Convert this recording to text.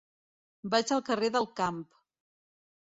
Vaig al carrer del Camp.